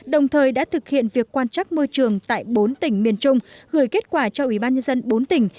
đồng thời đã thực hiện việc quan trắc môi trường tại bốn tỉnh miền trung gửi kết quả cho ubnd bốn tỉnh